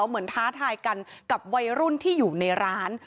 เหมือนท้าทายกันกับวัยรุ่นที่อยู่ในร้าน